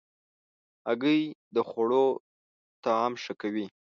هګۍ د خوړو طعم ښه کوي.